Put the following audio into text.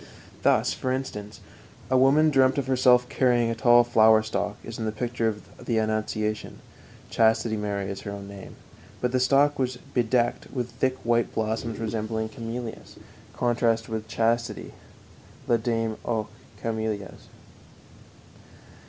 Thus, for instance, a woman dreamt of herself carrying a tall flower stalk, as in the picture of the Annunciation (Chastity Mary is her own name), but the stalk was bedecked with thick white blossoms resembling camellias (contrast with chastity: La dame aux Camelias).